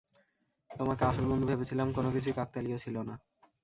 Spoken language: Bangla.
তোমাকে আসল বন্ধু ভেবেছিলাম, কোনকিছুই কাকতালীয় ছিল না।